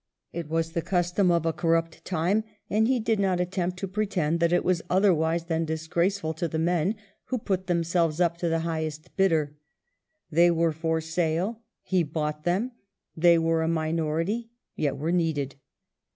It was the custom of a corrupt time, and he did not attempt to pretend that it was otherwise than disgraceful to the men who put themselves up to the highest bidder. They were for sale, he bought them; they were a minority, yet were needed.